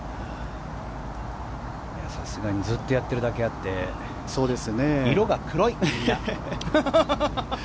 さすがにずっとやっているだけあって色が黒い。